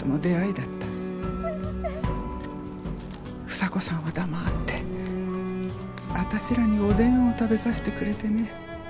房子さんは黙ってあたしらにおでんを食べさせてくれてね。